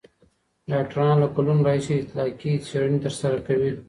ډاکټران له کلونو راهیسې اطلاقي څېړنې ترسره کوي.